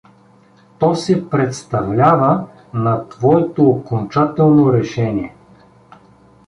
То се представлява на твоето окончателно решение.